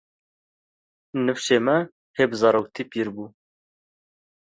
Nifşê me hê bi zaroktî pîr bû.